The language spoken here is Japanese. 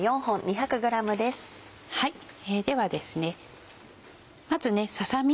ではですねまずささ身。